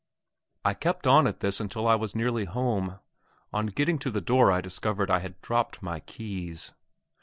I kept on at this until I was nearly home. On coming to the door I discovered I had dropped my keys.